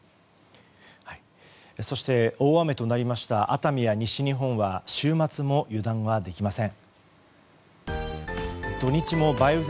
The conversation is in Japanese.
そして、大雨となりました熱海や西日本は週末も油断はできません。